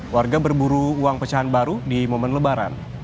warga berburu uang pecahan baru di momen lebaran